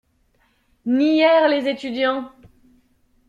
Nièrent les étudiants.